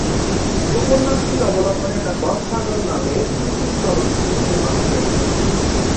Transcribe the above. উপন্যাসটি অবলম্বনে the Godfather নামে তিনটি চলচ্চিত্র নির্মিত হয়েছে।